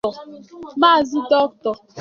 Mazị Dr